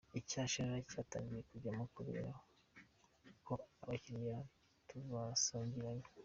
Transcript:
Icyashara cyatangiye kujyamo, kubera ko abakiriya tubasanganywe.